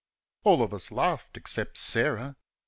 All of us laughed, except Sarah.